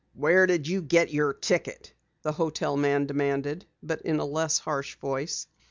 "Where did you get your ticket?" the hotel man demanded but in a less harsh voice.